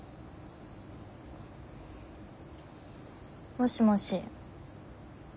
もしもし。